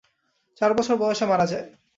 চার বছর বয়সে মারা যায়।